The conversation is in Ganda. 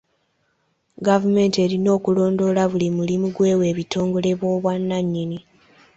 Gavumenti erina okulondoola buli mulimu gw'ewa ebitongole by'obwannannyini.